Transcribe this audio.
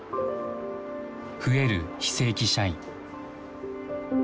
増える非正規社員。